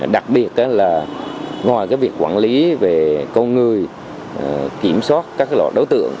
đặc biệt là ngoài việc quản lý về con người kiểm soát các loại đối tượng